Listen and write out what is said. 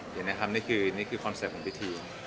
แบบนี้นะครับนี้คือคอนเซ็ปท์ของพี่ที